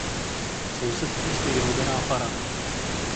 V sousedství stojí roubená fara.